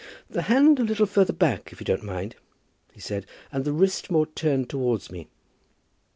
"The hand a little further back, if you don't mind," he said, "and the wrist more turned towards me.